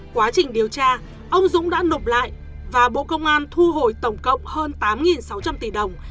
quá trình điều tra ông dũng đã nộp lại và bộ công an thu hồi tổng cộng hơn tám sáu trăm linh tỷ đồng